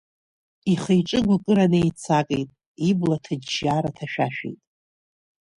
Ихы-иҿы гәкыра неицакит, ибла ҭыџьџьара ҭашәашәеит.